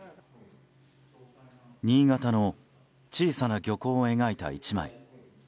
新潟の小さな漁港を描いた１枚。